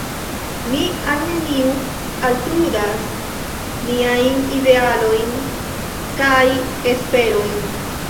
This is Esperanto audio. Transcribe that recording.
Ni al neniu altrudas niajn idealoin kaj esperojn.